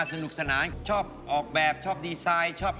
คอยเตือนเค้าคอยบอกอะไรเค้าก็ไม่ชอบ